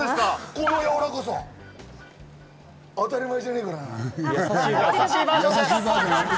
このやわらかさ、当たり前じゃねぇからな。